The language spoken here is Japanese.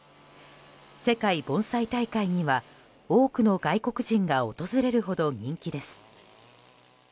世界盆栽大会には多くの外国人が訪れるほど人気です。